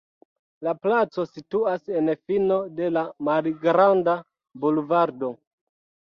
La placo situas en fino de la malgranda bulvardo.